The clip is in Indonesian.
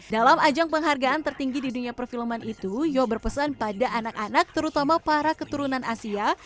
dalam ajang penghargaan tertinggi di dunia perfilman itu yo berpesan pada anak anak terutama para keturunan asia